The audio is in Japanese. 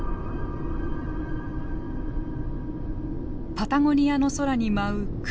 パタゴニアの空に舞う雲。